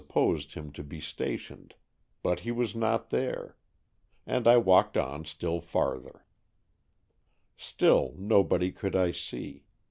to the place where I supposed him to be stationed, but he was not there and I walked on still farther. Still nobody could I see.